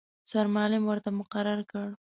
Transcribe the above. سرمعلم ورته مقرر کړ.